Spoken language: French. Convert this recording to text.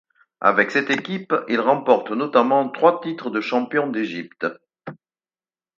Avec cette équipe, il remporte notamment trois titres de champion d'Égypte.